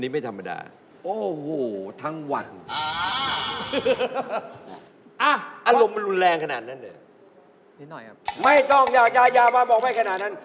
ไม่ต้องอย่าบอกชัดแบบในนั้น